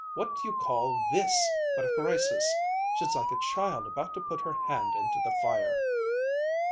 What do you call this but a crisis she's like a child about to put her hand into the fire."